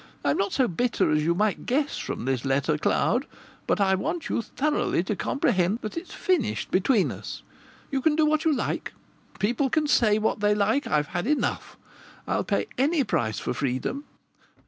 I'm not so bitter as you might guess from this letter, Cloud. But I want you thoroughly to comprehend that it's finished between us. You can do what you like. People can say what they like. I've had enough. I'll pay any price for freedom.